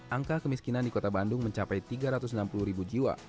angka kemiskinan di kota bandung mencapai tiga ratus enam puluh ribu jiwa